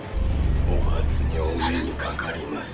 お初にお目にかかります。